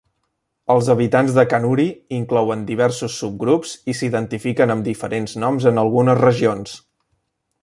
Els habitants de Kanuri inclouen diversos subgrups i s'identifiquen amb diferents noms en algunes regions.